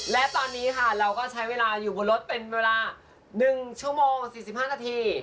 และตอนนี้ค่ะเราก็ใช้เวลาอยู่บนรถเป็นเวลา๑ชั่วโมง๔๕นาที